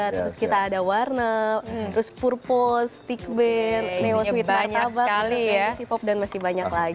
terus kita ada warna purpose stick band neo sweet martabat pop dan masih banyak lagi